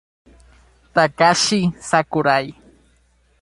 Takashi Sakurai